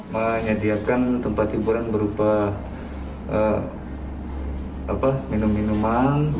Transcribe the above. menyediakan tempat hiburan berupa minum minuman